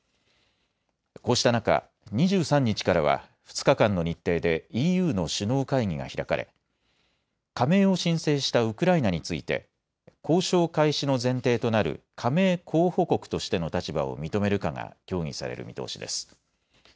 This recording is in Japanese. こうした中、２３日からは２日間の日程でＥＵの首脳会議が開かれ加盟を申請したウクライナについて交渉開始の前提となる加盟候補国としての立場を認めるかが協議される見通しです。